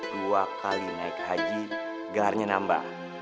dua kali naik haji gelarnya nambah